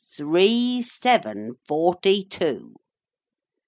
Three, seven, forty two!"